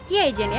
iya yajan ya